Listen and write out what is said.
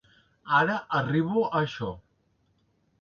Ara arribo a això.